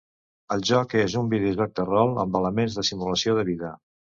El joc és un videojoc de rol amb elements de simulació de vida.